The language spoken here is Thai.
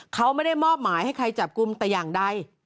เขาไม่ได้มอบหมายให้ใครจับกลุ่มแต่อย่างใด